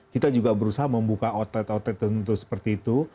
kita juga berusaha membuka outlet outlet tentu seperti itu